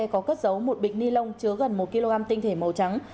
có cất giấu một bịch ni lông chứa gần một kg tinh thể màu trắng